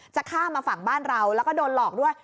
จะข้ามมาฝั่งบ้านเราแล้วก็โดนหลอกด้วย